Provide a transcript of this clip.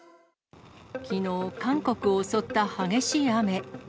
きのう、韓国を襲った激しい雨。